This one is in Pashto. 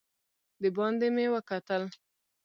دباندې مې وکتل.